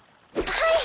はい！